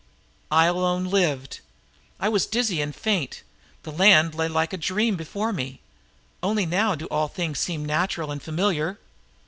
I alone lived. I was dizzy and faint. The land lay like a dream before me. Only now do all things seem natural and familiar.